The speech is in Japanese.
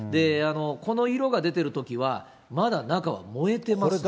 この色が出ているときは、まだ中は燃えていますね。